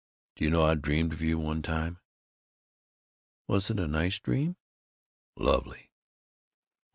Do you know I dreamed of you, one time!" "Was it a nice dream?" "Lovely!"